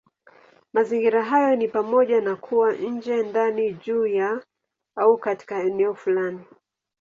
Mazingira hayo ni pamoja na kuwa nje, ndani, juu ya, au katika eneo fulani.